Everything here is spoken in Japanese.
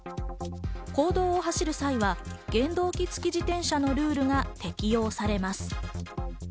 公道を走る際は原動機付自転車のルールが適用されます。